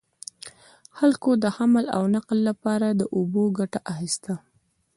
خلکو د حمل او نقل لپاره له اوبو ګټه اخیسته.